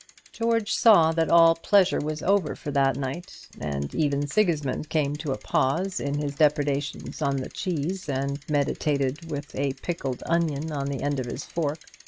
George saw that all pleasure was over for that night; and even Sigismund came to a pause in his depredations on the cheese, and meditated, with a pickled onion on the end of his fork.